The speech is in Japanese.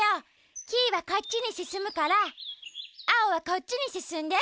キイはこっちにすすむからアオはこっちにすすんで。